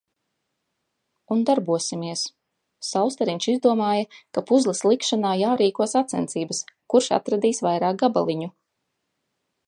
Un darbosimies. Saulstariņš izdomāja, ka puzzles likšanā jārīko sacensības, kurš atradīs vairāk gabaliņu.